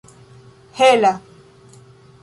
hela